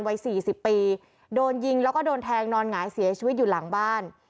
วัยสี่สิบปีโดนยิงแล้วก็โดนแทงนอนหงายเสียชีวิตอยู่หลังบ้าน